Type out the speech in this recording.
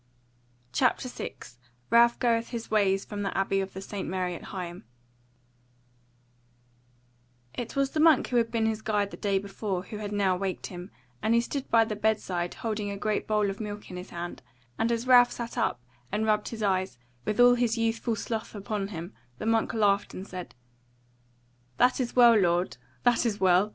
CHAPTER 6 Ralph Goeth His Ways From the Abbey of St. Mary at Higham It was the monk who had been his guide the day before who had now waked him, and he stood by the bedside holding a great bowl of milk in his hand, and as Ralph sat up, and rubbed his eyes, with all his youthful sloth upon him, the monk laughed and said: "That is well, lord, that is well!